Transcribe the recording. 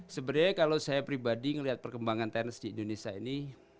sebenarnya kalau saya pribadi melihat perkembangan tenis di indonesia ini